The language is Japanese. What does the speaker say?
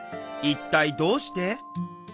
一体どうして？